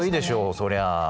そりゃ。